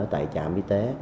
tại trạm y tế